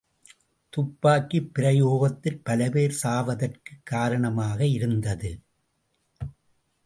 துப்பாக்கி பிரயோகத்தில் பல பேர் சாவதற்குக் காரணமாக இருந்தது.